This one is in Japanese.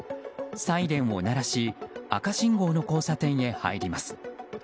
サイレンを鳴らし赤信号の交差点へ入ります。